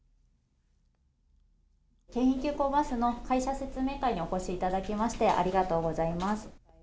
京浜急行バスの会社説明会にお越しいただきましてありがとうございます。